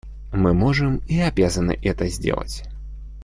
Мы можем и обязаны сделать это.